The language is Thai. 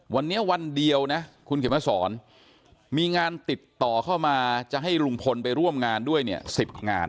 วันนี้วันเดียวนะคุณเขียนมาสอนมีงานติดต่อเข้ามาจะให้ลุงพลไปร่วมงานด้วยเนี่ย๑๐งาน